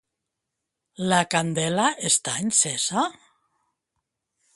La candela està encesa?